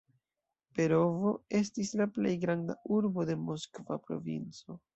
Perovo estis la plej granda urbo de Moskva provinco.